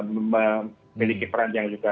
memiliki peran yang juga